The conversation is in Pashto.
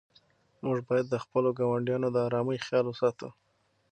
موږ باید د خپلو ګاونډیانو د آرامۍ خیال وساتو.